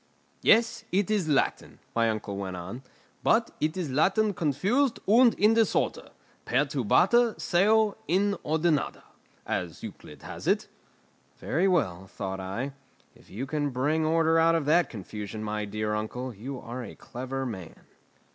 "Yes, it is Latin," my uncle went on; "but it is Latin confused and in disorder; "pertubata seu inordinata," as Euclid has it." "Very well," thought I, "if you can bring order out of that confusion, my dear uncle, you are a clever man."